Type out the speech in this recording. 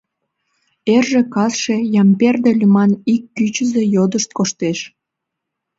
Эрже-касше Ямперде лӱман ик кӱчызӧ йодышт коштеш.